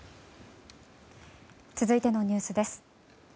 続いてのニュースです。